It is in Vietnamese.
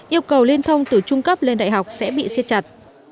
yêu cầu liên thông từ trung cấp lên đại học sẽ bị siết chặt